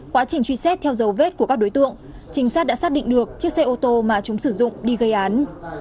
quá trình truy xét theo dấu vết của các đối tượng trinh sát đã xác định được chiếc xe ô tô mà chúng sử dụng đi gây án